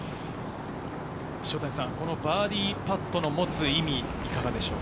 このバーディーパットの持つ意味、いかがでしょう。